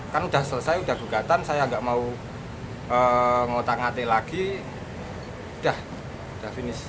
kan udah selesai udah bukatan saya nggak mau ngotak ngatik lagi udah udah finish